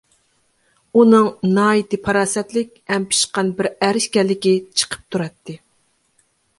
ئۇنىڭ ناھايىتى پاراسەتلىك ھەم پىشقان بىر ئەر ئىكەنلىكى چىقىپ تۇراتتى.